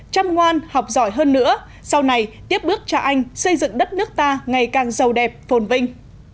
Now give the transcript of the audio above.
chăm ngoan học giỏi hơn nữa sau này tiếp bước cho anh xây dựng đất nước ta ngày càng giàu đẹp phồn vinh